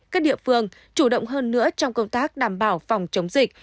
các địa phương chủ động hơn nữa trong công tác đảm bảo phòng chống dịch